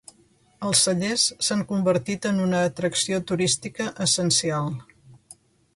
Els cellers s'han convertit en una atracció turística essencial.